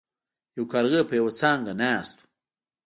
یو کارغه په یوه څانګه ناست و.